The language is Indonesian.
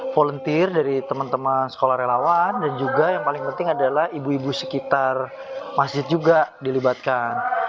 volunteer dari teman teman sekolah relawan dan juga yang paling penting adalah ibu ibu sekitar masjid juga dilibatkan